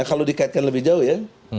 kalau dikaitkan lebih jauh ya